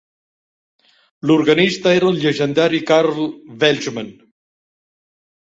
L'organista era el llegendari Carl Welshman.